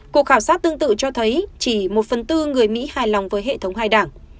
cuộc khảo sát tương tự cho thấy chỉ một phần tư người mỹ hài lòng với hệ thống hai đảng